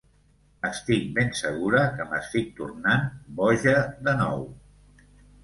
Estic ben segura que m’estic tornant boja de nou.